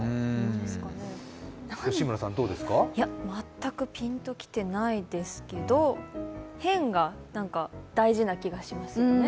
全くピンときてないですけどへんが大事な気がしますよね。